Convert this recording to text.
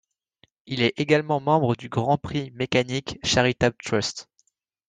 Il est également membre du Grand Prix Mechanics Charitable Trust.